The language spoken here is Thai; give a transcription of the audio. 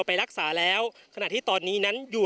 พร้อมด้วยผลตำรวจเอกนรัฐสวิตนันอธิบดีกรมราชทัน